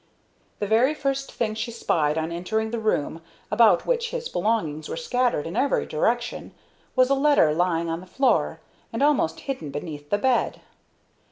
The very first thing she spied on entering the room, about which his belongings were scattered in every direction, was a letter lying on the floor, and almost hidden beneath the bed.